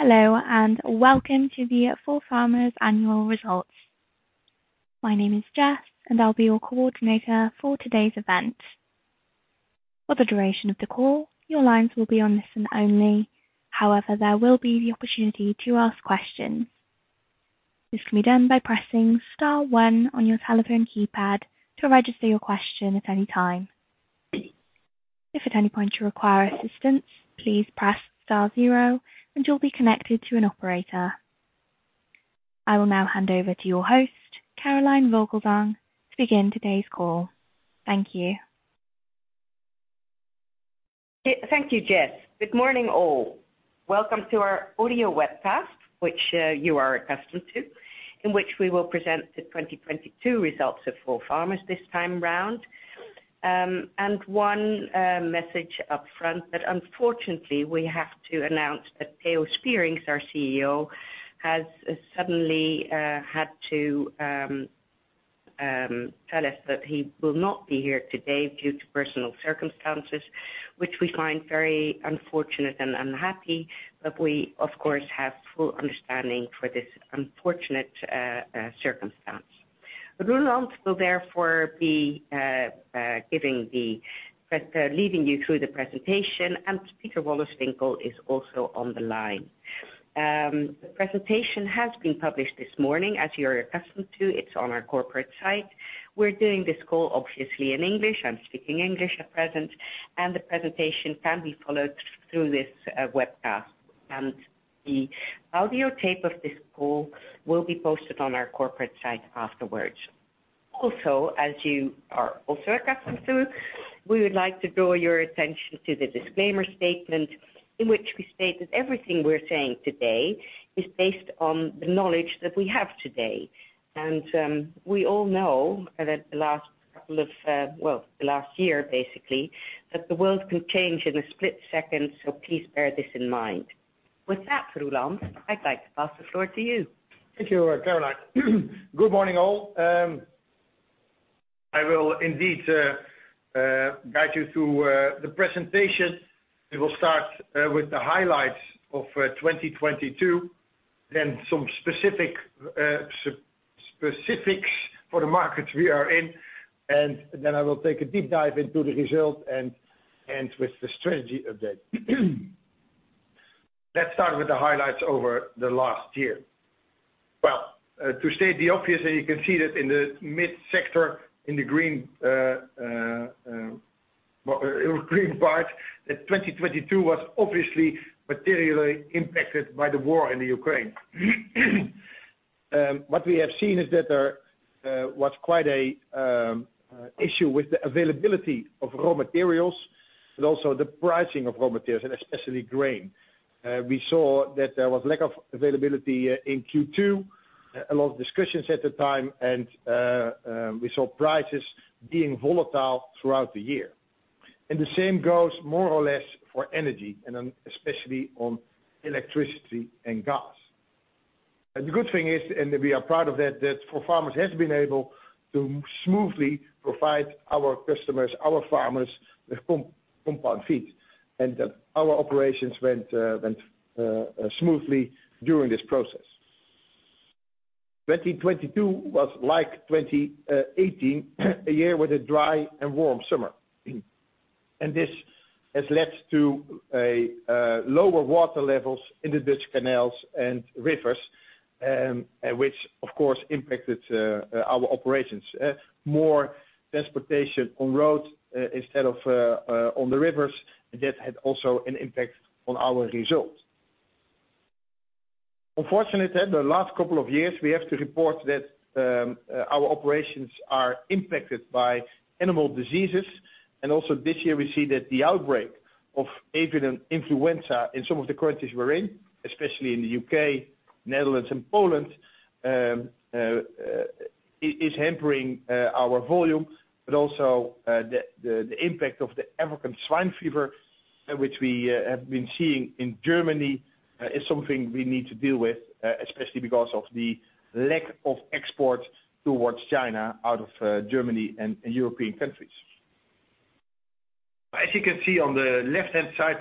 Hello, and welcome to the ForFarmers Annual Results. My name is Jess, and I'll be your coordinator for today's event. For the duration of the call, your lines will be on listen only. However, there will be the opportunity to ask questions. This can be done by pressing star 1 on your telephone keypad to register your question at any time. If at any point you require assistance, please press star zero and you'll be connected to an operator. I will now hand over to your host, Caroline Vogelzang, to begin today's call. Thank you. Thank you, Jess. Good morning, all. Welcome to our audio webcast, which you are accustomed to, in which we will present the 2022 results of ForFarmers this time round. One message up front. Unfortunately we have to announce that Theo Spierings, our CEO, has suddenly had to tell us that he will not be here today due to personal circumstances, which we find very unfortunate and unhappy, but we of course, have full understanding for this unfortunate circumstance. Roeland will therefore be leading you through the presentation and Pieter Wolleswinkel is also on the line. The presentation has been published this morning, as you're accustomed to. It's on our corporate site. We're doing this call obviously in English. I'm speaking English at present. The presentation can be followed through this webcast. The audio tape of this call will be posted on our corporate site afterwards. Also, as you are also accustomed to, we would like to draw your attention to the disclaimer statement in which we state that everything we're saying today is based on the knowledge that we have today. We all know that the last couple of, well, the last year, basically, that the world can change in a split second, so please bear this in mind. With that, Roeland, I'd like to pass the floor to you. Thank you, Caroline. Good morning, all. I will indeed guide you through the presentation. We will start with the highlights of 2022, then some specific specifics for the market we are in, and then I will take a deep dive into the results and with the strategy update. Let's start with the highlights over the last year. Well, to state the obvious, and you can see that in the mid-sector in the green part, that 2022 was obviously materially impacted by the war in the Ukraine. What we have seen is that there was quite a issue with the availability of raw materials, but also the pricing of raw materials and especially grain. We saw that there was lack of availability in Q2, a lot of discussions at the time and we saw prices being volatile throughout the year. The same goes more or less for energy and especially on electricity and gas. The good thing is, and we are proud of that ForFarmers has been able to smoothly provide our customers, our farmers, with compound feeds. Our operations went smoothly during this process. 2022 was like 2018, a year with a dry and warm summer. This has led to a lower water levels in the Dutch canals and rivers, which of course impacted our operations. More transportation on road instead of on the rivers. That had also an impact on our results. Unfortunately, the last couple of years, we have to report that, our operations are impacted by animal diseases. Also this year, we see that the outbreak of avian influenza in some of the countries we're in, especially in the U.K., Netherlands and Poland, is hampering our volume, but also the impact of the African swine fever, which we have been seeing in Germany, is something we need to deal with, especially because of the lack of exports towards China out of Germany and European countries. As you can see on the left-hand side,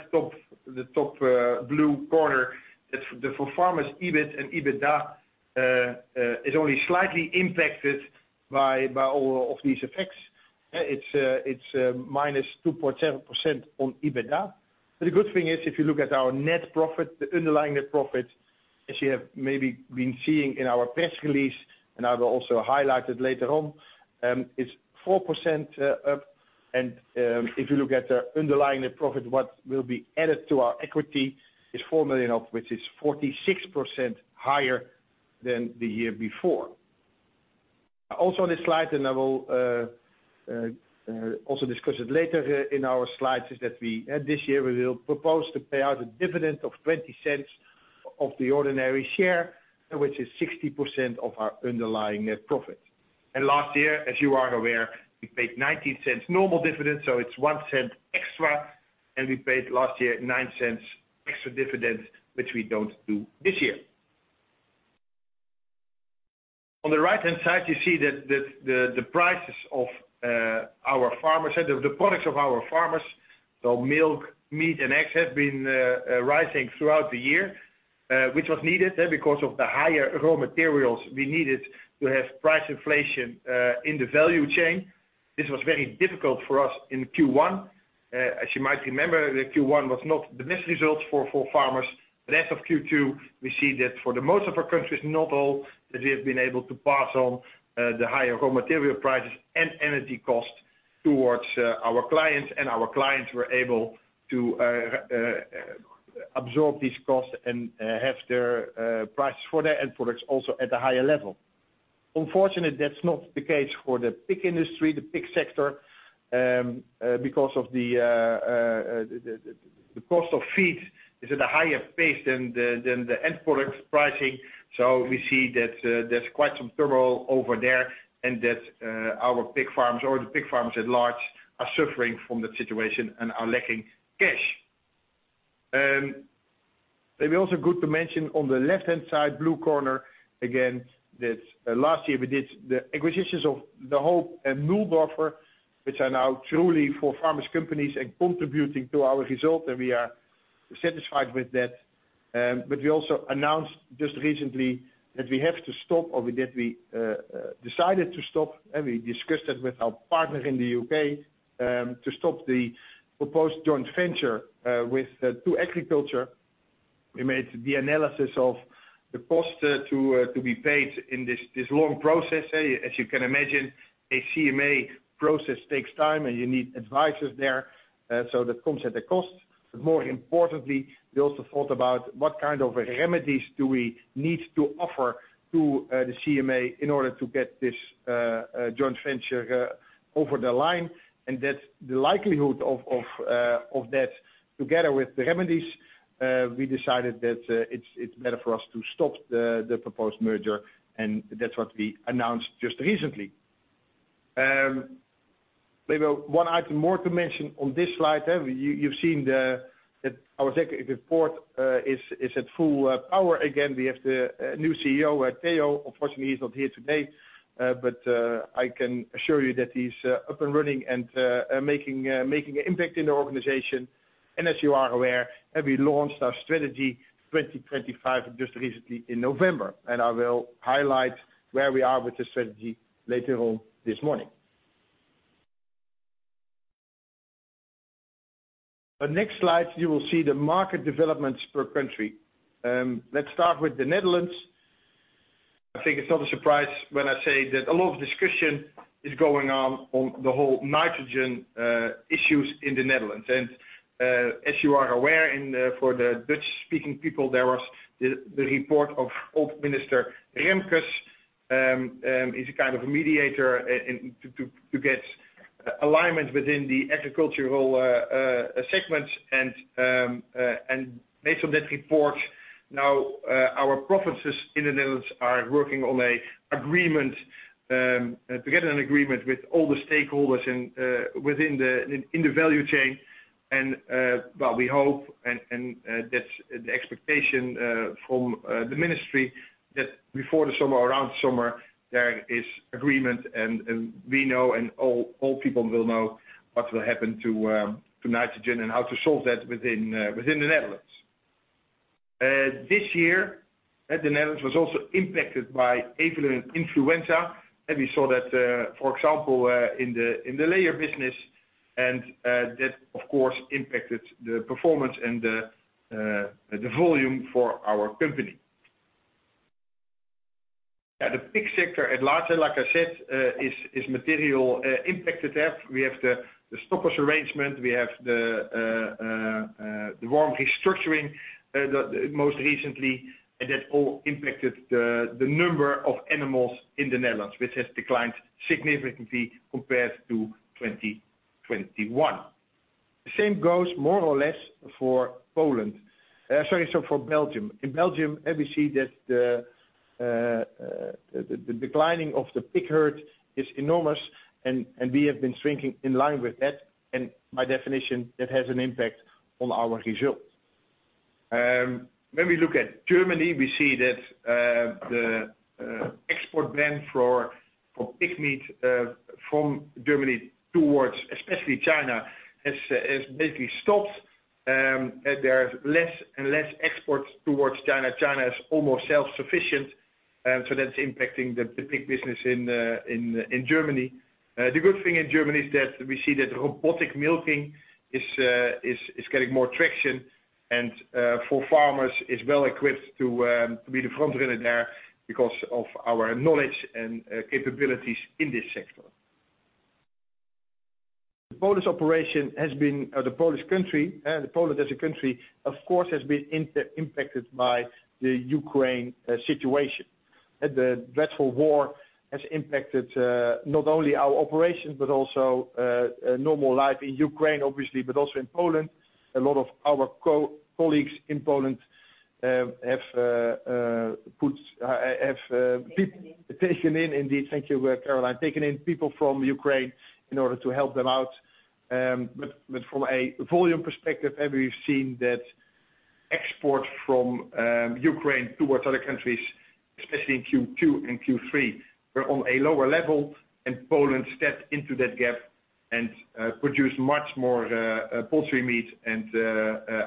the top blue corner, the ForFarmers EBIT and EBITDA is only slightly impacted by all of these effects. It's -2.7% on EBITDA. The good thing is, if you look at our net profit, the underlying net profit, as you have maybe been seeing in our press release, and I will also highlight it later on, it's 4% up. If you look at the underlying net profit, what will be added to our equity is 4 million up, which is 46% higher than the year before. Also on this slide, and I will also discuss it later in our slides, is that at this year, we will propose to pay out a dividend of 0.20 of the ordinary share, which is 60% of our underlying net profit. Last year as you are aware, we paid 0.19 normal dividend, so it's 0.01 extra. We paid last year 0.09 extra dividend, which we don't do this year. On the right hand side, you see that the prices of our farmers, the products of our farmers, so milk, meat, and eggs have been rising throughout the year, which was needed because of the higher raw materials we needed to have price inflation in the value chain. This was very difficult for us in Q1. As you might remember, the Q1 was not the best results for ForFarmers. As of Q2, we see that for the most of our countries, not all, that we have been able to pass on the higher raw material prices and energy costs towards our clients, and our clients were able to absorb these costs and have their prices for their end products also at a higher level. Unfortunately, that's not the case for the pig industry, the pig sector, because of the cost of feed is at a higher pace than the end product pricing. We see that there's quite some turmoil over there, and that our pig farms or the pig farms at large are suffering from that situation and are lacking cash. Maybe also good to mention on the left-hand side, blue corner again, that last year we did the acquisitions of De Hoop and Mühldorfer, which are now truly ForFarmers companies and contributing to our results, and we are satisfied with that. We also announced just recently that we have to stop, or that we decided to stop, and we discussed that with our partners in the U.K., to stop the proposed joint venture with 2Agriculture. We made the analysis of the cost to be paid in this long process. As you can imagine, a CMA process takes time, and you need advisors there. That comes at a cost. More importantly, we also thought about what kind of remedies do we need to offer to the CMA in order to get this joint venture over the line. That's the likelihood of that together with the remedies, we decided that it's better for us to stop the proposed merger, and that's what we announced just recently. Maybe one item more to mention on this slide. You've seen that our executive report is at full power. Again, we have the new CEO, Theo. Unfortunately, he's not here today, but I can assure you that he's up and running and making an impact in the organization. As you are aware, we launched our Strategy 2025 just recently in November. I will highlight where we are with the strategy later on this morning. The next slide, you will see the market developments per country. Let's start with the Netherlands. I think it's not a surprise when I say that a lot of discussion is going on the whole nitrogen issues in the Netherlands. As you are aware in for the Dutch-speaking people, there was the report of old minister Remkes, is a kind of a mediator and to get alignment within the agricultural segments. Based on that report, now our provinces in the Netherlands are working on an agreement to get an agreement with all the stakeholders and in the value chain. We hope that's the expectation from the ministry that before the summer or around the summer, there is agreement and we know and all people will know what will happen to nitrogen and how to solve that within the Netherlands. This year, the Netherlands was also impacted by avian influenza. We saw that, for example, in the layer business. That of course impacted the performance and the volume for our company. The pig sector at large, like I said, is material impacted there. We have the stoppers arrangement. We have the warm restructuring most recently. That all impacted the number of animals in the Netherlands, which has declined significantly compared to 2021. The same goes more or less for Poland. sorry, so for Belgium. In Belgium, we see that the declining of the pig herd is enormous and we have been shrinking in line with that. By definition, that has an impact on our results. When we look at Germany, we see that the export ban for pig meat from Germany towards especially China has basically stopped. There's less and less exports towards China. China is almost self-sufficient. That's impacting the pig business in Germany. The good thing in Germany is that we see that robotic milking is getting more traction and ForFarmers is well equipped to be the front runner there because of our knowledge and capabilities in this sector. The Polish operation has been, or the Polish country, the Poland as a country, of course, has been impacted by the Ukraine situation. The dreadful war has impacted not only our operations, but also normal life in Ukraine obviously, but also in Poland. A lot of our colleagues in Poland have taken in indeed. Thank you, Caroline Vogelzang. Taken in people from Ukraine in order to help them out. But from a volume perspective we've seen that export from Ukraine towards other countries, especially in Q2 and Q3, were on a lower level, and Poland stepped into that gap and produced much more poultry meat and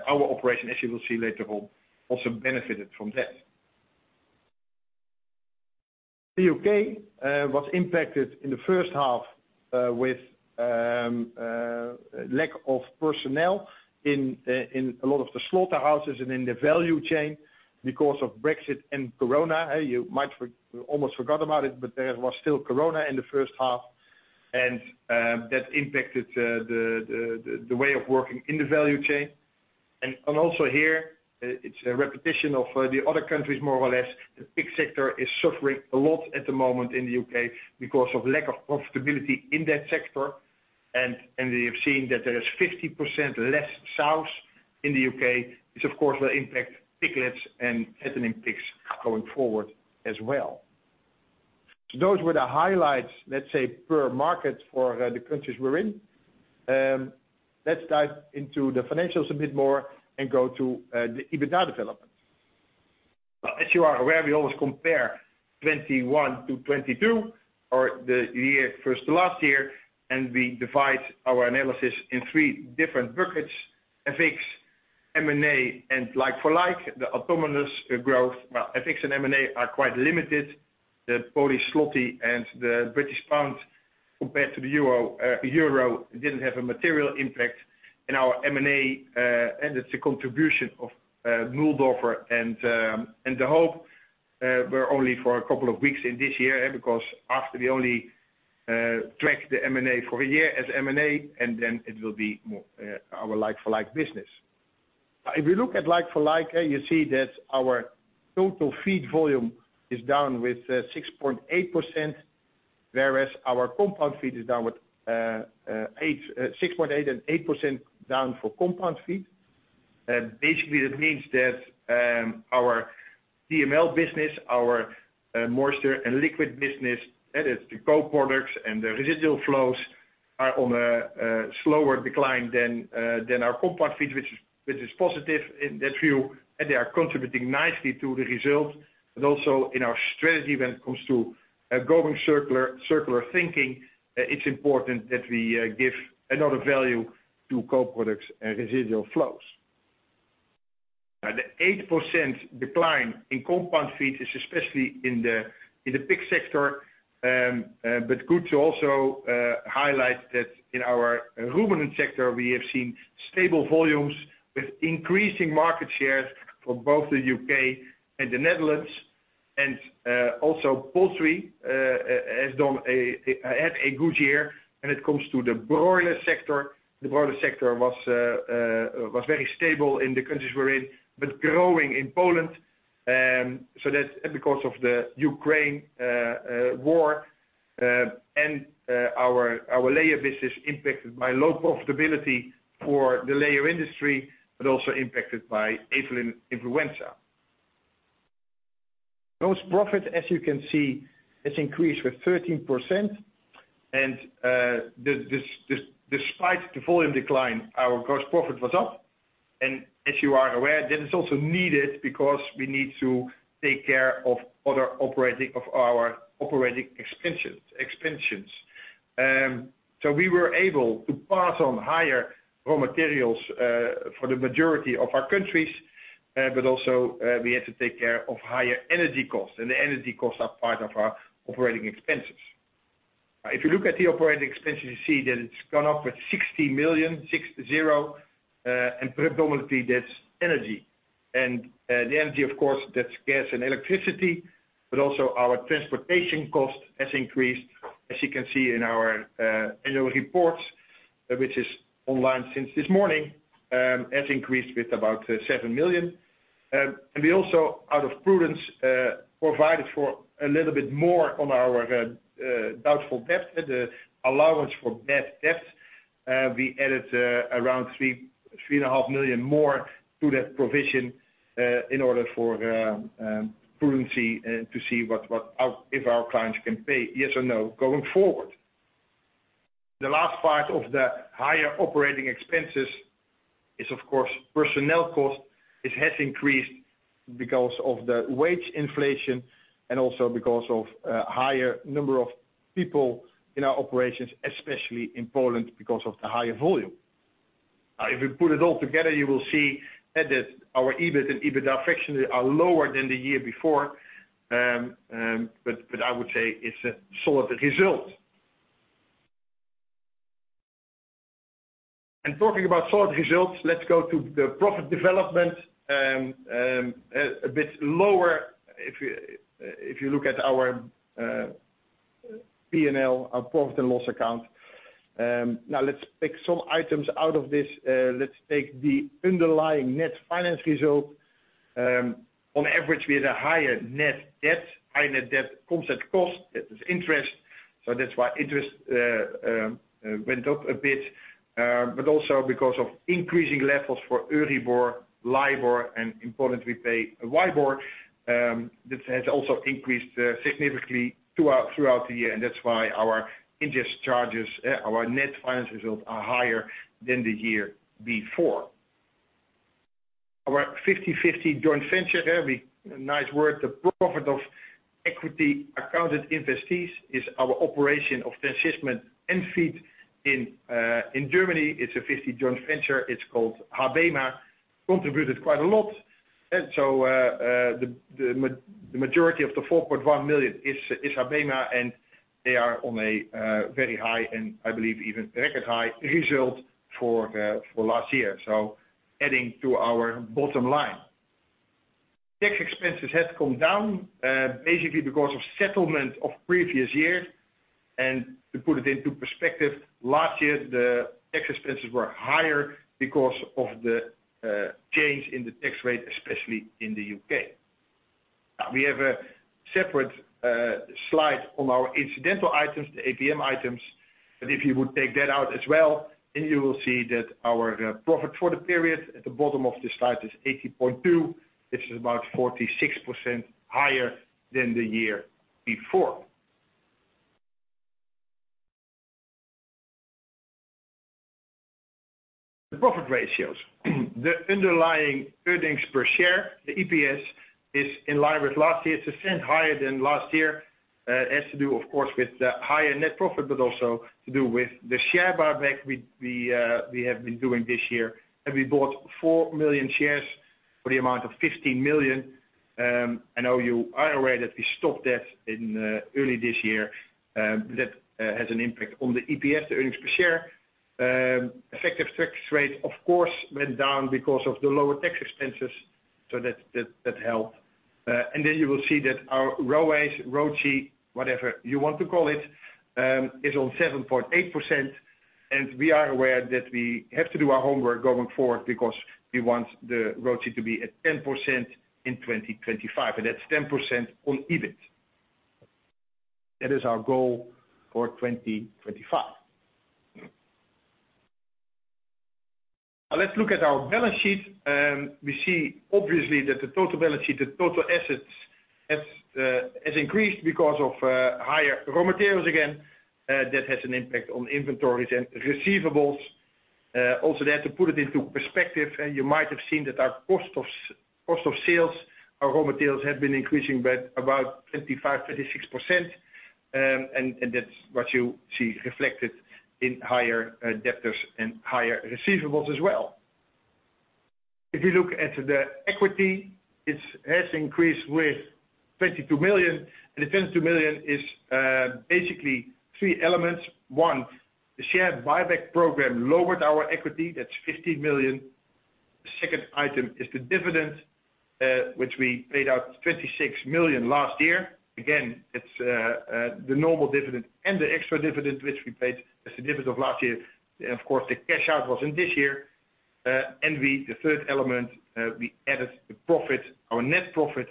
our operation, as you will see later on, also benefited from that. The U.K. was impacted in the first half with lack of personnel in a lot of the slaughterhouses and in the value chain because of Brexit and Corona. You might almost forgot about it, but there was still Corona in the first half. That impacted the way of working in the value chain. Also here, it's a repetition of the other countries, more or less. The pig sector is suffering a lot at the moment in the U.K. because of lack of profitability in that sector. And we have seen that there is 50% less sows in the U.K., which of course will impact piglets and fattening pigs going forward as well. Those were the highlights, let's say, per market for the countries we're in. Let's dive into the financials a bit more and go to the EBITDA development. As you are aware, we always compare 2021 to 2022 or the year, first to last year, and we divide our analysis in three different buckets, FX, M&A, and like for like, the autonomous growth. Well, FX and M&A are quite limited. The Polish zloty and the British pound compared to the euro didn't have a material impact in our M&A, and it's a contribution of Mühldorfer. De Hoop were only for a couple of weeks in this year. Because after we only track the M&A for a year as M&A, then it will be more our like for like business. If you look at like for like, you see that our total feed volume is down with 6.8%, whereas our compound feed is down with 6.8% and 8% down for compound feed. Basically, that means that our DML business, our moisture and liquid business, that is the co-products and the residual flows are on a slower decline than our compound feed, which is positive in that view, and they are contributing nicely to the results. Also in our strategy when it comes to Going Circular, circular thinking, it's important that we give another value to co-products and residual flows. The 8% decline in compound feed is especially in the pig sector. Good to also highlight that in our ruminant sector, we have seen stable volumes with increasing market shares for both the U.K. and the Netherlands. Also poultry has done a good year when it comes to the broiler sector. The broiler sector was very stable in the countries we're in, but growing in Poland. That's because of the Ukraine war, and our layer business impacted by low profitability for the layer industry, but also impacted by avian influenza. Gross profit, as you can see, has increased with 13%. Despite the volume decline, our gross profit was up. As you are aware, that is also needed because we need to take care of our operating expenses. We were able to pass on higher raw materials for the majority of our countries, but also we had to take care of higher energy costs, and the energy costs are part of our operating expenses. If you look at the operating expenses, you see that it's gone up with 60 million, six to zero, and predominantly that's energy. The energy, of course, that's gas and electricity, but also our transportation cost has increased. As you can see in our annual report, which is online since this morning, has increased with about 7 million. We also out of prudence provided for a little bit more on our doubtful debt, the allowance for bad debts. We added around 3.5 million More to that provision in order for prudency to see what our, if our clients can pay yes or no going forward. The last part of the higher operating expenses is, of course, personnel cost. It has increased because of the wage inflation and also because of higher number of people in our operations, especially in Poland, because of the higher volume. If you put it all together, you will see that our EBIT and EBITDA effectively are lower than the year before. I would say it's a solid result. Talking about solid results, let's go to the profit development, a bit lower if you look at our P&L, our profit and loss account. Let's pick some items out of this. Let's take the underlying net finance result. On average, we had a higher net debt. Higher net debt comes at cost. That is interest. That's why interest went up a bit, but also because of increasing levels for EURIBOR, LIBOR, and importantly WIBOR, that has also increased significantly throughout the year. That's why our interest charges, our net finance results are higher than the year before. Our 50/50 joint venture, every nice word, the profit of equity accounted investees is our operation of in Germany. It's a 50 joint venture. It's called HaBeMa, contributed quite a lot. The majority of the 4.1 million is HaBeMa, and they are on a very high and I believe even record high result for last year. Adding to our bottom line. Tax expenses had come down basically because of settlement of previous years. To put it into perspective, last year, the tax expenses were higher because of the change in the tax rate, especially in the U.K. We have a separate slide on our incidental items, the APM items. If you would take that out as well, then you will see that our profit for the period at the bottom of the slide is 80.2, which is about 46% higher than the year before. The profit ratios. The underlying earnings per share, the EPS, is in line with last year's, EUR 0.01 higher than last year. It has to do, of course, with the higher net profit, but also to do with the share buyback we have been doing this year. We bought 4 million shares for the amount of 15 million. I know you are aware that we stopped that in early this year, that has an impact on the EPS, the earnings per share. Effective tax rate, of course, went down because of the lower tax expenses. That helped. You will see that our ROACE, whatever you want to call it, is on 7.8%. We are aware that we have to do our homework going forward because we want the ROACE to be at 10% in 2025, and that's 10% on EBIT. That is our goal for 2025. Let's look at our balance sheet. We see obviously that the total balance sheet, the total assets has increased because of higher raw materials again. That has an impact on inventories and receivables. Also there, to put it into perspective, you might have seen that our cost of sales, our raw materials have been increasing by about 25%-26%. That's what you see reflected in higher debtors and higher receivables as well. If you look at the equity, it's has increased with 22 million. The 22 million is basically three elements. One, the share buyback program lowered our equity. That's 15 million. The second item is the dividend, which we paid out 26 million last year. Again, it's the normal dividend and the extra dividend, which we paid as the dividend of last year. Of course, the cash out was in this year. We, the third element, we added the profit. Our net profit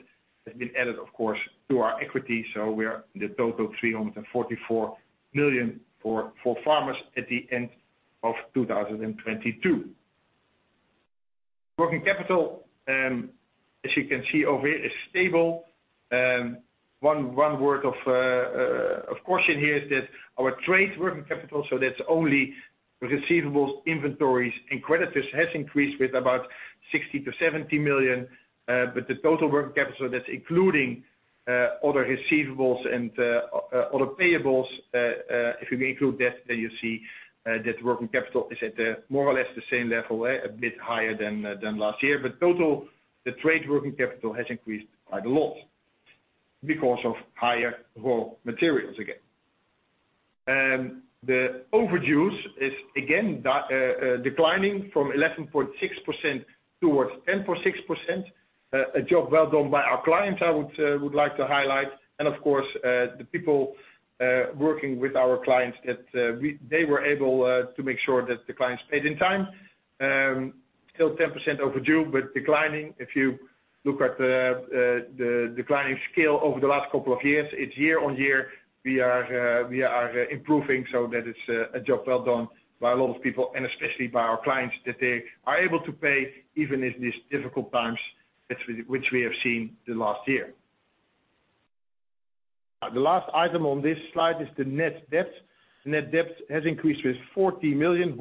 has been added, of course to our equity. We are the total 344 million ForFarmers at the end of 2022. Working capital, as you can see over here, is stable. One word of caution here is that our trade working capital, so that's only receivables, inventories, and creditors, has increased with about 60 million-70 million. The total working capital, that's including other receivables and other payables, if you include debt, then you see that working capital is at more or less the same level, a bit higher than last year. Total, the trade working capital has increased by a lot because of higher raw materials again. The overdues is again declining from 11.6% towards 10.6%. A job well done by our clients, I would like to highlight. Of course, the people working with our clients that they were able to make sure that the clients paid in time. Still 10% overdue, but declining. If you look at the declining scale over the last couple of years, it's year-on-year, we are improving. That is a job well done by a lot of people, and especially by our clients, that they are able to pay even in these difficult times, which we have seen the last year. The last item on this slide is the net debt. Net debt has increased with 40 million.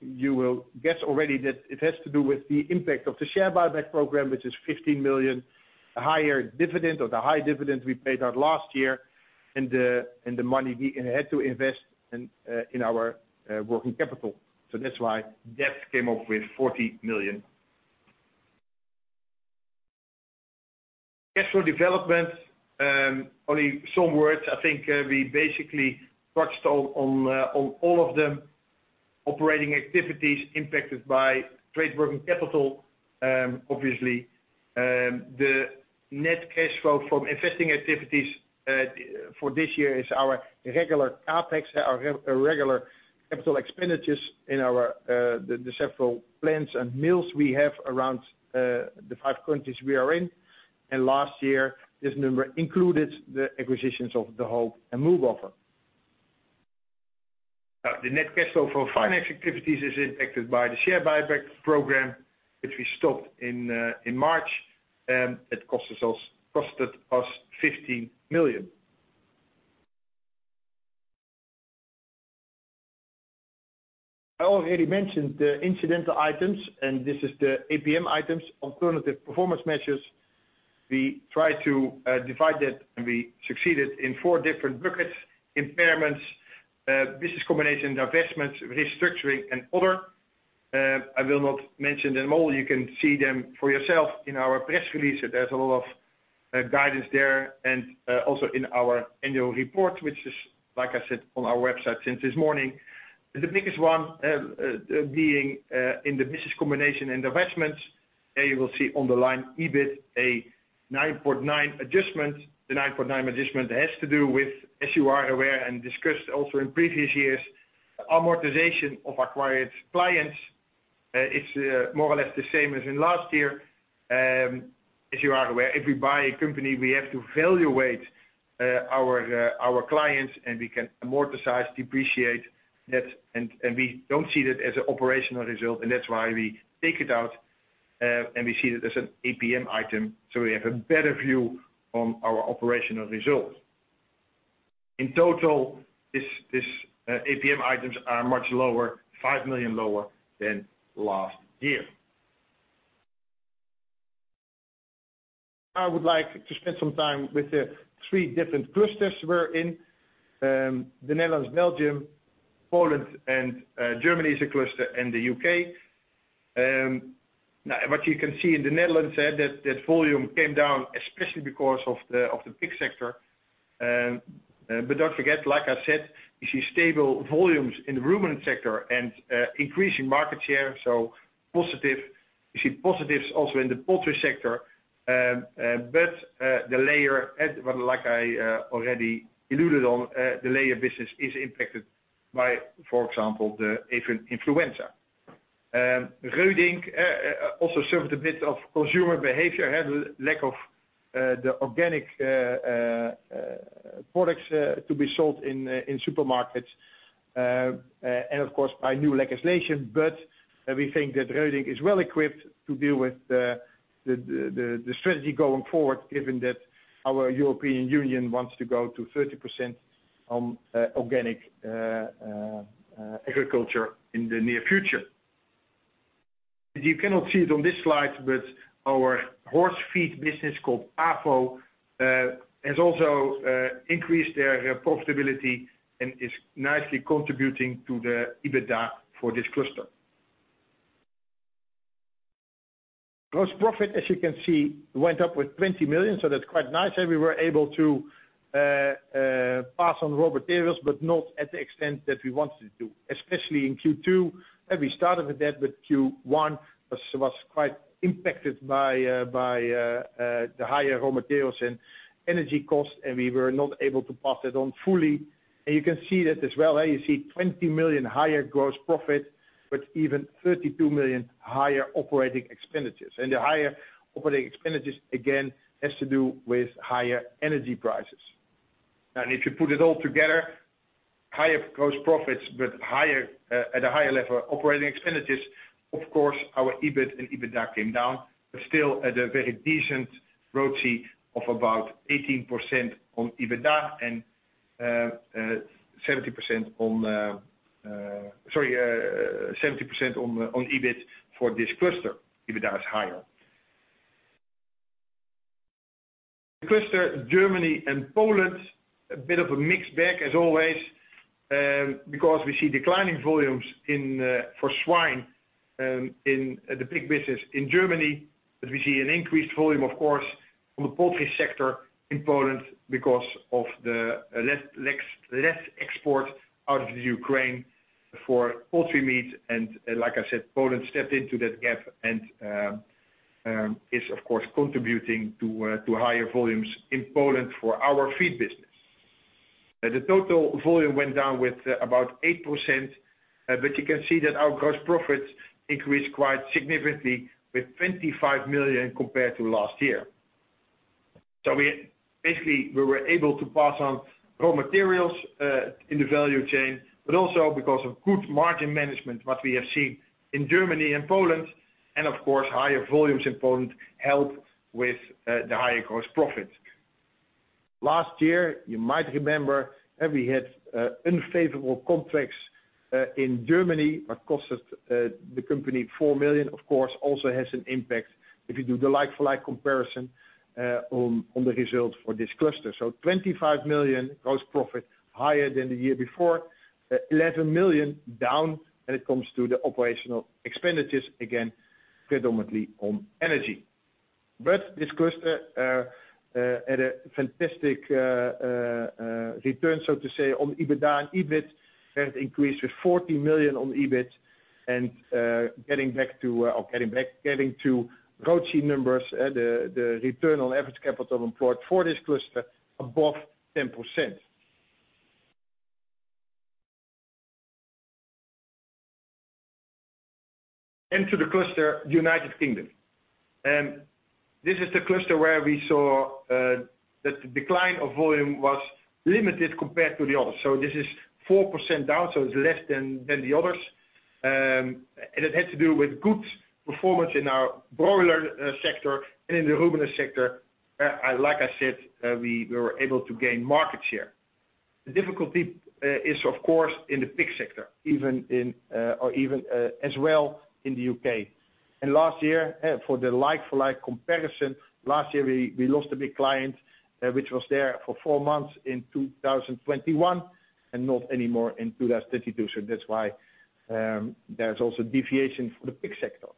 You will guess already that it has to do with the impact of the share buyback program, which is 15 million, a higher dividend or the high dividend we paid out last year, and the money we had to invest in our working capital. That's why debt came up with 40 million. Cash flow development, only some words. I think we basically touched on all of them. Operating activities impacted by trade working capital, obviously. The net cash flow from investing activities for this year is our regular CapEx, our regular capital expenditures in our several plants and mills we have around the five countries we are in. Last year, this number included the acquisitions of De Hoop and Mühldorfer. The net cash flow for finance activities is impacted by the share buyback program, which we stopped in March. It cost us EUR 15 million. This is the APM items, alternative performance measures. We try to divide that, and we succeeded in four different buckets, impairments, business combination, divestments, restructuring, and other. I will not mention them all. You can see them for yourself in our press release. There's a lot of guidance there and also in our annual report, which is, like I said, on our website since this morning. The biggest one being in the business combination divestments. There you will see on the line EBIT a 9.9 adjustment. The 9.9 adjustment has to do with, as you are aware and discussed also in previous years, amortization of acquired clients. It's more or less the same as in last year. As you are aware, if we buy a company, we have to valuate our clients, and we can amortize, depreciate that, and we don't see that as an operational result, and that's why we take it out, and we see that as an APM item, so we have a better view on our operational results. In total, this APM items are much lower, 5 million lower than last year. I would like to spend some time with the three different clusters we're in. The Netherlands, Belgium, Poland, and Germany is a cluster, and the U.K.. What you can see in the Netherlands, that volume came down especially because of the pig sector. Don't forget, like I said, you see stable volumes in the rumen sector and increasing market share, so positive. You see positives also in the poultry sector. The layer, like I already alluded on, the layer business is impacted by, for example, the avian influenza. Reudink also served a bit of consumer behavior had lack of the organic products to be sold in supermarkets, and of course, by new legislation. We think that Reudink is well equipped to deal with the strategy going forward, given that our European Union wants to go to 30% on organic agriculture in the near future. You cannot see it on this slide, but our horse feed business called Pavo has also increased their profitability and is nicely contributing to the EBITDA for this cluster. Gross profit, as you can see, went up with 20 million, that's quite nice. We were able to pass on raw materials, but not at the extent that we wanted to, especially in Q2. We started with that, but Q1 was quite impacted by the higher raw materials and energy costs, and we were not able to pass that on fully. You can see that as well. You see 20 million higher gross profit, but even 32 million higher operating expenditures. The higher operating expenditures, again, has to do with higher energy prices. If you put it all together, higher gross profits, but higher, at a higher level, operating expenditures, of course, our EBIT and EBITDA came down, but still at a very decent ROACE of about 18% on EBITDA and, sorry, 70% on EBIT for this cluster. EBITDA is higher. The cluster Germany and Poland, a bit of a mixed bag as always, because we see declining volumes in for swine, in the pig business in Germany. We see an increased volume, of course, on the poultry sector in Poland because of the less export out of the Ukraine for poultry meat. Like I said, Poland stepped into that gap and is of course contributing to higher volumes in Poland for our ForFarmers feed business. The total volume went down with about 8%, but you can see that our gross profits increased quite significantly with 25 million compared to last year. Basically, we were able to pass on raw materials in the value chain, but also because of good margin management, what we have seen in Germany and Poland, and of course, higher volumes in Poland helped with the higher gross profits. Last year, you might remember, we had unfavorable contracts in Germany that cost us the company 4 million, of course, also has an impact if you do the like for like comparison on the results for this cluster. 25 million gross profit higher than the year before, 11 million down when it comes to the OpEx, again, predominantly on energy. This cluster had a fantastic return, so to say, on EBITDA and EBIT. It increased with 40 million on EBIT and getting to ROACE numbers, the return on average capital employed for this cluster above 10%. To the cluster United Kingdom. This is the cluster where we saw that the decline of volume was limited compared to the others. This is 4% down, so it's less than the others. It had to do with good performance in our broiler sector and in the ruminant sector. Like I said, we were able to gain market share. The difficulty is of course in the pig sector, even in or even as well in the U.K. Last year, for the like for like comparison, last year we lost a big client, which was there for four months in 2021, and not anymore in 2022. That's why there's also deviation for the pig sector.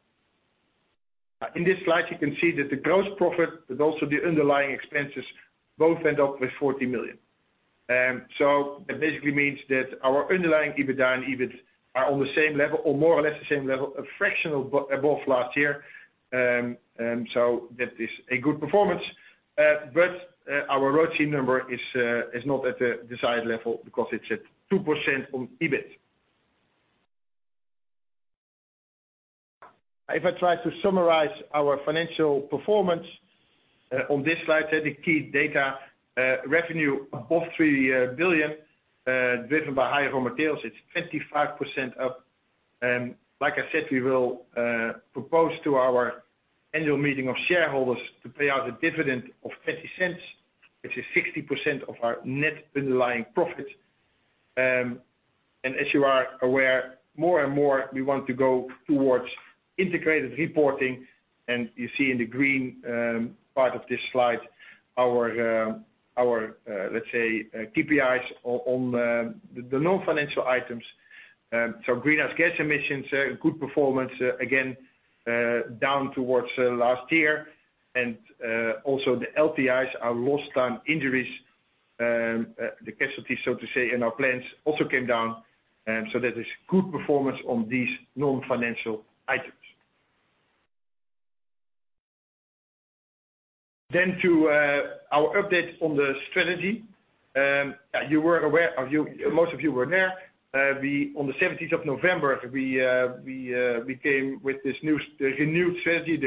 In this slide you can see that the gross profit, but also the underlying expenses both end up with 40 million. That basically means that our underlying EBITDA and EBIT are on the same level, or more or less the same level, a fraction above last year. That is a good performance. But our ROACE number is not at the desired level because it's at 2% on EBIT. If I try to summarize our financial performance on this slide, the key data, revenue above 3 billion, driven by higher raw materials, it's 25% up. Like I said, we will propose to our annual meeting of shareholders to pay out a dividend of 0.50, which is 60% of our net underlying profit. As you are aware, more and more we want to go towards integrated reporting. You see in the green part of this slide, our, let's say, KPIs on the non-financial items. Greenhouse gas emissions, a good performance again, down towards last year. Also the LTIs, our lost time injuries, the casualties, so to say, in our plants also came down. That is good performance on these non-financial items. To our update on the strategy. You were aware of, most of you were there. We, on the 17th of November, we came with this new, renewed strategy.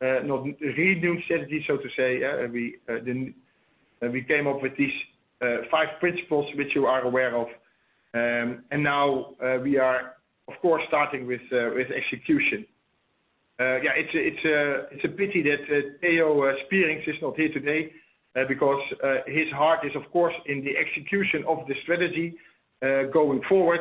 Renewed strategy, so to say. We came up with these five principles which you are aware of. Now, we are of course starting with execution. It's a pity that Theo Spierings is not here today, because his heart is of course in the execution of the strategy going forward.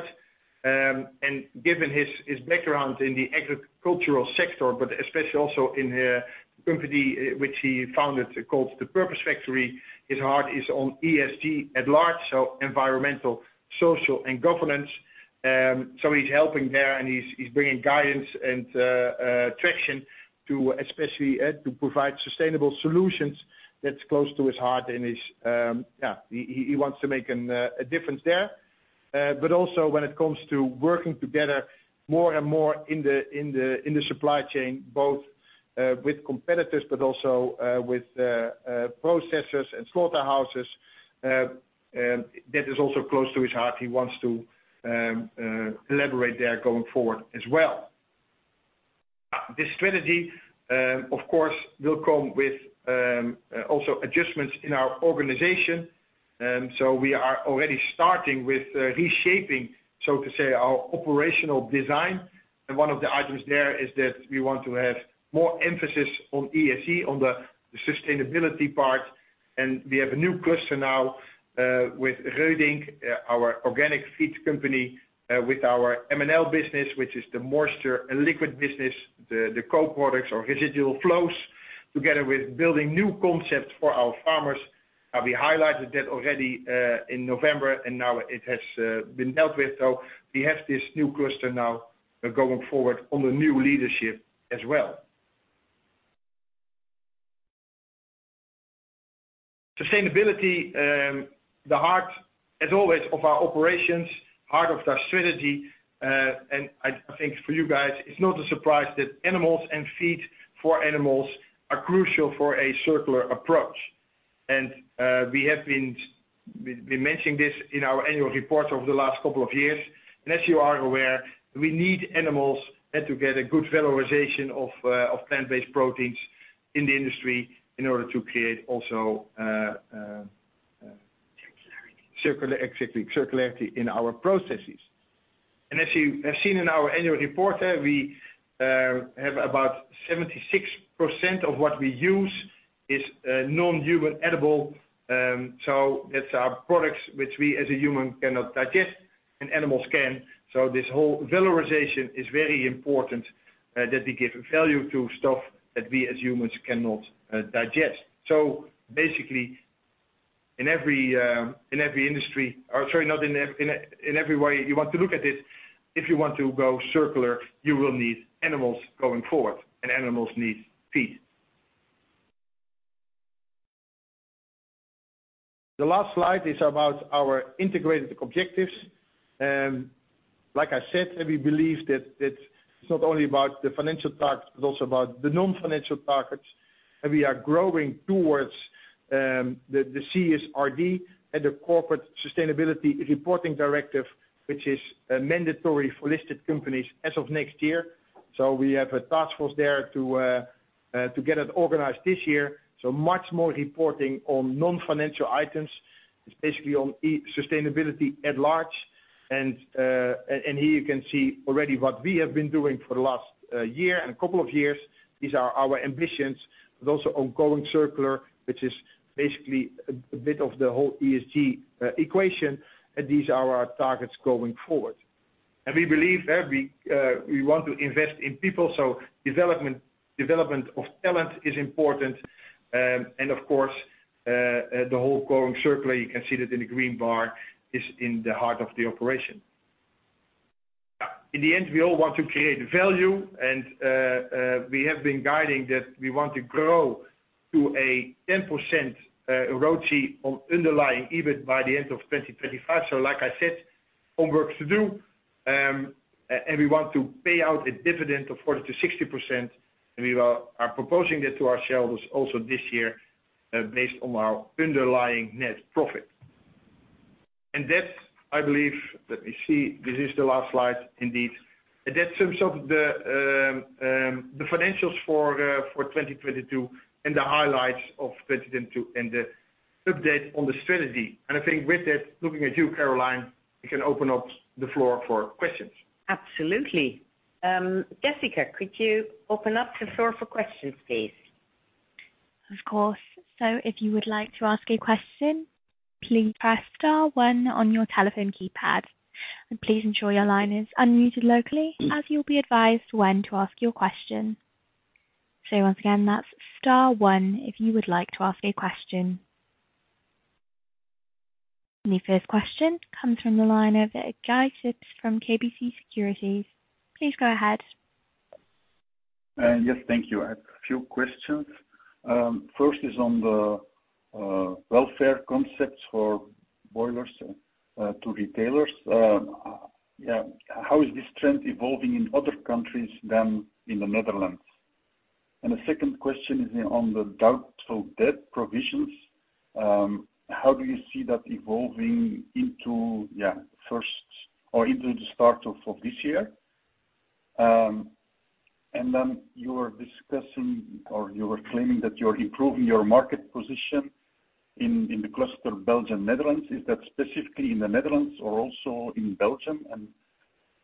Given his background in the agricultural sector, but especially also in the company which he founded, called The Purpose Factory, his heart is on ESG at large, so environmental, social, and governance. He's helping there and he's bringing guidance and traction to especially to provide sustainable solutions, that's close to his heart and his. Yeah, he wants to make a difference there. Also when it comes to working together more and more in the supply chain, both with competitors but also with processors and slaughterhouses, that is also close to his heart. He wants to collaborate there going forward as well. This strategy of course will come with also adjustments in our organization. We are already starting with reshaping, so to say, our operational design. And one of the items there is that we want to have more emphasis on ESG, on the sustainability part. We have a new cluster now with Reudink, our organic feeds company, with our M&L business, which is the moisture and liquid business, the co-products or residual flows, together with building new concepts for our farmers. We highlighted that already in November, and now it has been dealt with. We have this new cluster now going forward on the new leadership as well. Sustainability, the heart as always of our operations, heart of our strategy. I think for you guys it's not a surprise that animals and feed for animals are crucial for a circular approach. We have been, we mentioned this in our annual reports over the last couple of years. As you are aware, we need animals and to get a good valorization of plant-based proteins in the industry in order to create also circularity in our processes. As you have seen in our annual report there, we have about 76% of what we use is non-human edible. That's our products which we as a human cannot digest and animals can. This whole valorization is very important that we give value to stuff that we as humans cannot digest. Basically, in every, or sorry, not in every, in every way you want to look at this, if you want to go circular, you will need animals going forward, and animals need feed. The last slide is about our integrated objectives. Like I said, we believe that it's not only about the financial targets, but also about the non-financial targets. We are growing towards the CSRD, the Corporate Sustainability Reporting Directive, which is mandatory for listed companies as of next year. We have a task force there to get it organized this year, so much more reporting on non-financial items. It's basically on e- sustainability at large. Here you can see already what we have been doing for the last year and a couple of years. These are our ambitions, but also on Going Circular, which is basically a bit of the whole ESG equation. These are our targets going forward. We believe, every, we want to invest in people, so development of talent is important. Of course, the whole Going Circular, you can see that in the green bar, is in the heart of the operation. In the end, we all want to create value and we have been guiding that we want to grow to a 10% ROACE on underlying EBIT by the end of 2025. Like I said, homework to do. We want to pay out a dividend of 40%-60%, and we are proposing that to our shareholders also this year, based on our underlying net profit. That, I believe, let me see, this is the last slide indeed. That sums up the financials for 2022 and the highlights of 2022 and the update on the strategy. I think with that, looking at you, Caroline, we can open up the floor for questions. Absolutely. Jessica, could you open up the floor for questions, please? Of course. If you would like to ask a question, please press star one on your telephone keypad. Please ensure your line is unmuted locally, as you will be advised when to ask your question. Once again, that's star one if you would like to ask a question. Your first question comes from the line of Guy Sips from KBC Securities. Please go ahead. Yes, thank you. I have a few questions. First is on the welfare concepts for broilers to retailers. How is this trend evolving in other countries than in the Netherlands? The second question is on the doubtful debt provisions. How do you see that evolving into first or into the start of this year? You were discussing or you were claiming that you're improving your market position in the cluster Belgium, Netherlands. Is that specifically in the Netherlands or also in Belgium?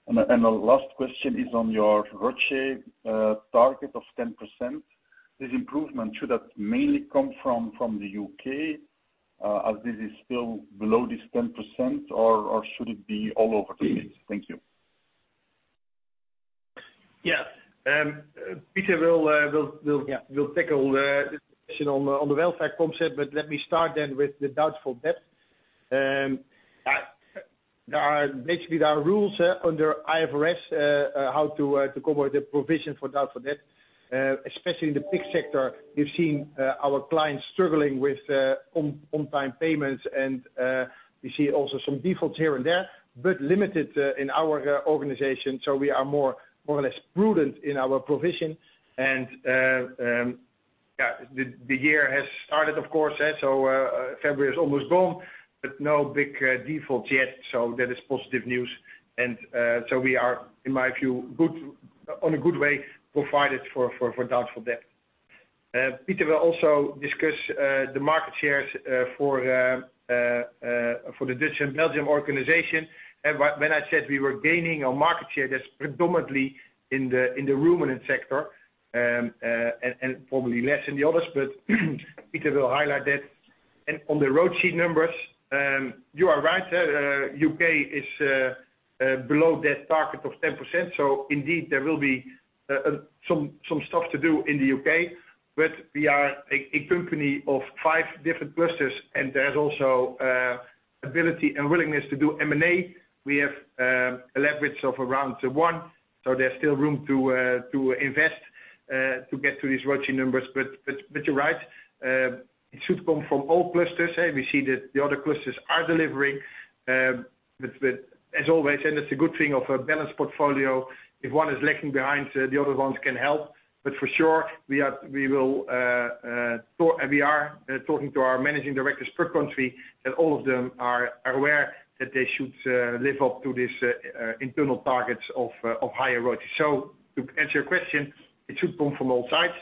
A last question is on your ROACE target of 10%. This improvement, should that mainly come from the U.K.. As this is still below this 10% or should it be all over the place? Thank you. Pieter will tackle this question on the welfare concept. Let me start then with the doubtful debt. There are basically rules under IFRS how to cover the provision for doubtful debt, especially in the pig sector. You've seen our clients struggling with on time payments and you see also some defaults here and there, but limited in our organization. We are more or less prudent in our provision. The year has started, of course. February is almost gone, but no big defaults yet. That is positive news. We are, in my view, on a good way provided for doubtful debt. Pieter will also discuss the market shares for the Dutch and Belgium organization. When I said we were gaining our market share, that's predominantly in the ruminant sector, and probably less in the others. Pieter will highlight that. On the roadshow numbers, you are right. U.K. is below that target of 10%. Indeed, there will be some stuff to do in the U.K. We are a company of five different clusters, and there's also ability and willingness to do M&A. We have a leverage of around to one, so there's still room to invest to get to these ROACE numbers. You're right. It should come from all clusters. We see that the other clusters are delivering. But as always, and it's a good thing of a balanced portfolio, if one is lacking behind, the other ones can help. For sure, we are, we will talk, and we are talking to our managing directors per country, and all of them are aware that they should live up to these internal targets of higher ROACE. To answer your question, it should come from all sides.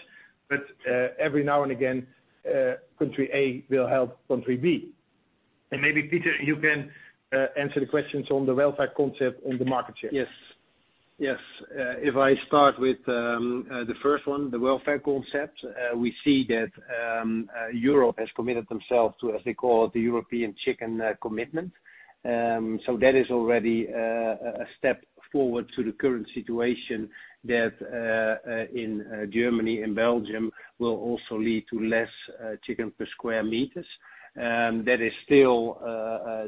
Every now and again, country A will help country B. Maybe, Pieter, you can answer the questions on the welfare concept and the market share. Yes. Yes. If I start with the first one, the welfare concept, we see that Europe has committed themselves to, as they call it, the European Chicken Commitment. That is already a step forward to the current situation that in Germany and Belgium will also lead to less chicken per square meters. That is still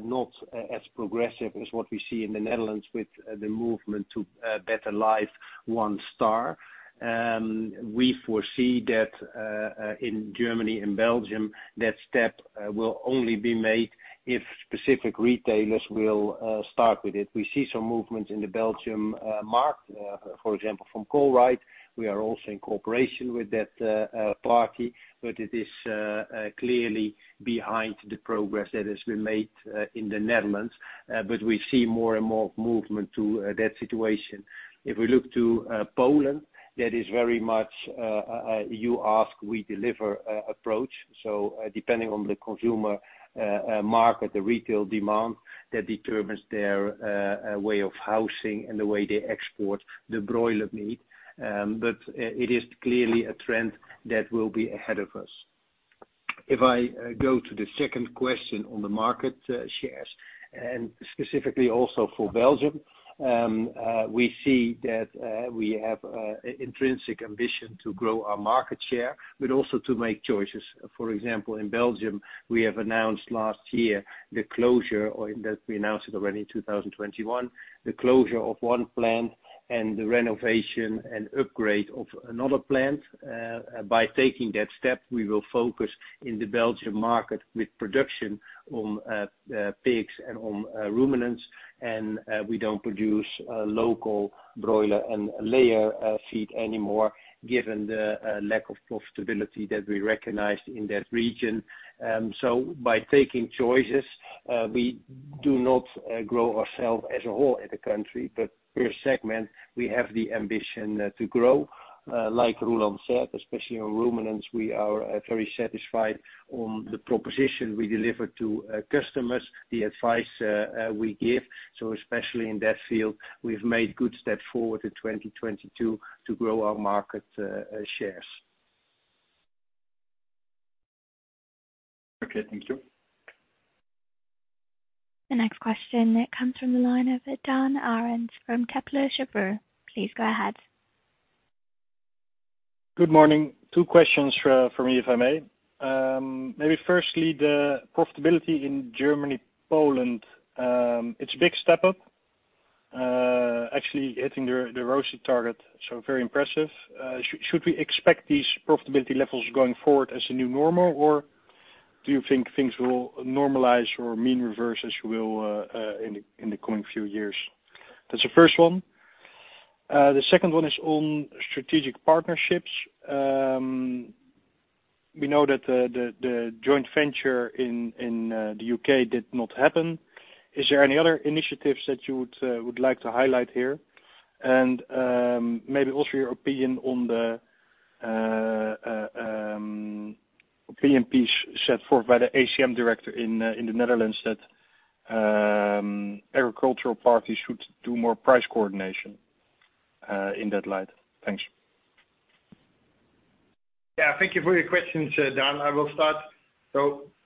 not as progressive as what we see in the Netherlands with the movement to Beter Leven 1 star. We foresee that in Germany and Belgium, that step will only be made if specific retailers will start with it. We see some movements in the Belgium market, for example, from Colruyt. We are also in cooperation with that party, it is clearly behind the progress that has been made in the Netherlands. We see more and more movement to that situation. If we look to Poland, that is very much you ask, we deliver approach. Depending on the consumer market, the retail demand, that determines their way of housing and the way they export the broiler meat. It is clearly a trend that will be ahead of us. If I go to the second question on the market shares, and specifically also for Belgium, we see that we have intrinsic ambition to grow our market share, but also to make choices. For example, in Belgium, we have announced last year the closure, or in that we announced it already in 2021, the closure of one plant and the renovation and upgrade of another plant. By taking that step, we will focus in the Belgium market with production on pigs and on ruminants. We don't produce local broiler and layer feed anymore given the lack of profitability that we recognized in that region. By taking choices, we do not grow ourselves as a whole in the country, but per segment, we have the ambition to grow. Like Roeland said, especially on ruminants, we are very satisfied on the proposition we deliver to customers, the advice we give. especially in that field, we've made good step forward to 2022 to grow our market, shares. Okay, thank you. The next question comes from the line of Daan Arends from Kepler Cheuvreux. Please go ahead. Good morning. Two questions for me, if I may. Maybe firstly, the profitability in Germany, Poland, it's a big step up, actually hitting the ROACE target, so very impressive. Should we expect these profitability levels going forward as a new normal? Or do you think things will normalize or mean reverse as you will in the coming few years? That's the first one. The second one is on strategic partnerships. We know that the joint venture in the U.K. did not happen. Is there any other initiatives that you would like to highlight here? Maybe also your opinion on the P&P set forth by the ACM director in the Netherlands that agricultural parties should do more price coordination in that light. Thanks. Thank you for your questions, Daan. I will start.